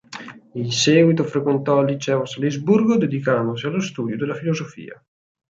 In seguito frequentò il liceo a Salisburgo dedicandosi allo studio della filosofia.